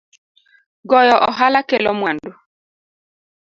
Goyo ohala kelo mwandu